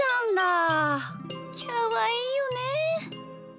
きゃわいいよねえ。